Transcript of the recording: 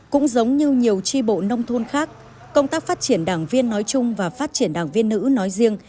cũng giống như nhiều tri bộ nông thôn khác công tác phát triển đảng viên nói chung và phát triển đảng viên nữ nói riêng